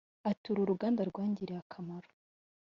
Ati “Uru ruganda rwangiriye akamaro